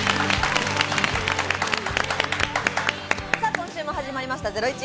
今週も始まりました『ゼロイチ』。